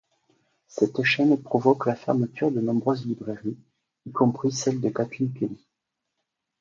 Cette chaîne provoque la fermeture de nombreuses librairies, y compris celle de Kathleen Kelly.